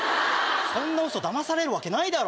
そんなウソだまされるわけないだろ！